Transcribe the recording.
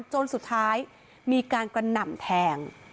จนสุดท้ายมีการกระหน่ำแทง